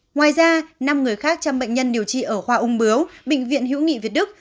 ngoài ra năm người khác trong bệnh nhân điều trị ở khoa ung bướu bệnh viện hữu nghị việt đức